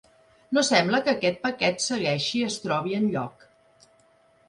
No sembla que aquest paquet segueixi es trobi enlloc.